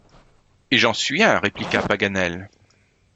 Et j’en suis un, répliqua Paganel.